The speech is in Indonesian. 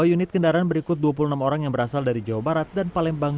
dua unit kendaraan berikut dua puluh enam orang yang berasal dari jawa barat dan palembang